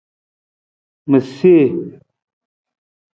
Ma see.